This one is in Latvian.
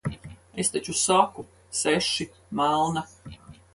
Es taču saku - seši, melna.